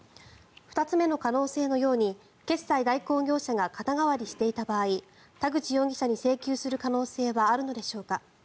２つ目の可能性のように決済代行業者が肩代わりしていた場合田口容疑者に請求する可能性はあるのでしょうか。